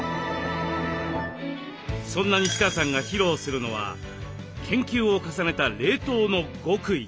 そんな西川さんが披露するのは研究を重ねた冷凍の極意。